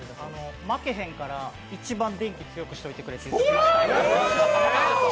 負けへんから、一番電気強くしといてくれって言いました。